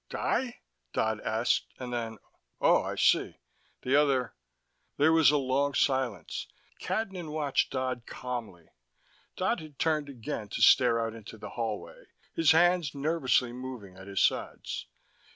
"Die?" Dodd asked, and then: "Oh. I see. The other " There was a long silence. Cadnan watched Dodd calmly. Dodd had turned again to stare out into the hallway, his hands nervously moving at his sides.